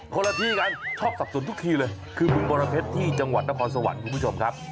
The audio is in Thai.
คนละที่กันชอบศักดิ์ส่วนทุกทีเลยคือบึงบาระเพชรที่จังหวัดและพลสวรรค์คุณผู้ชมครับ